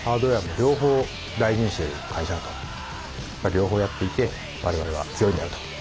両方やっていて我々は強いんだよと。